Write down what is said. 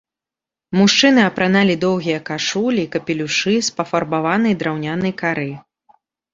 Мужчыны апраналі доўгія кашулі, капелюшы з пафарбаванай драўнянай кары.